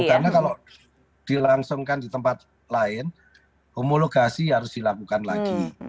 karena kalau dilangsungkan di tempat lain homologasi harus dilakukan lagi